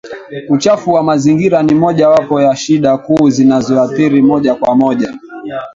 Uchafuzi wa mazingira ni moja wapo ya shida kuu zinazoathiri moja kwa moja